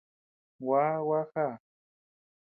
Gua, gua já.